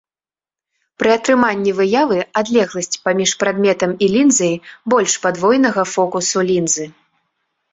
Пры атрыманні выявы адлегласць паміж прадметам і лінзай больш падвойнага фокусу лінзы.